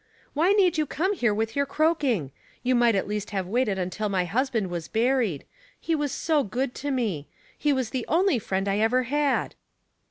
" Why need you come here with your croaking? You might at least have waited until my husband was buried ; he was so good to me ; he was the only friend I ever had."